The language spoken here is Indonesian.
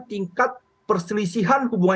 tingkat perselisihan hubungan